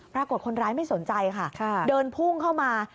ปรากฏคนร้ายไม่สนใจค่ะเดินพุ่งเข้ามา